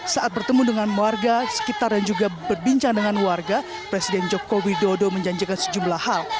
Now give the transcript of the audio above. saat bertemu dengan warga sekitar dan juga berbincang dengan warga presiden joko widodo menjanjikan sejumlah hal